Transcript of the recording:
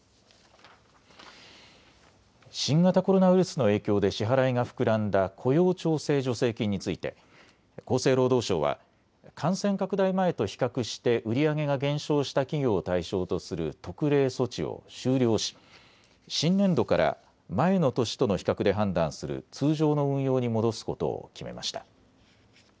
新型コロナウイルスの影響で支払いが膨らんだ雇用調整助成金について厚生労働省は感染拡大前と比較して売り上げが減少した企業を対象とする特例措置を終了し新年度から前の年との比較で判断する通常の運用に戻すことを決めました。